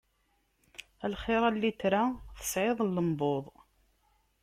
A lxiṛ, a litra, tesɛiḍ llembuḍ!